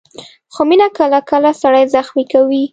خو مینه کله کله سړی زخمي کوي.